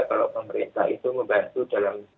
kalau pemerintah itu membantu dalam